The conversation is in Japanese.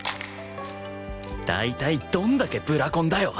大体どんだけブラコンだよ！